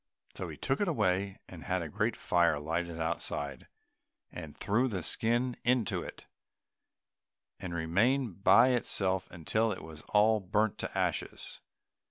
So he took it away, and had a great fire lighted outside, and threw the skin into it, and remained by it himself until it was all burnt to ashes.